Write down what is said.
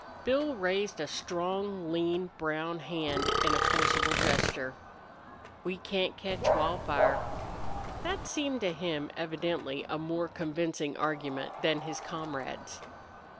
Bill raised a strong, lean, brown hand in a forcible gesture. "We can't ketch Wildfire!" That seemed to him, evidently, a more convincing argument than his comrade's.